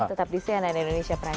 tetap di cnn indonesia prime news